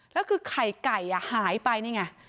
แล้วคือไข่ไก่หายไปนี่ไง